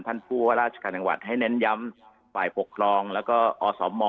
ผู้ว่าราชการจังหวัดให้เน้นย้ำฝ่ายปกครองแล้วก็อสม